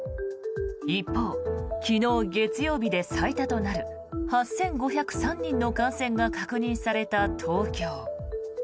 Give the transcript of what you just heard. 一方、昨日月曜日で最多となる８５０３人の感染が確認された東京。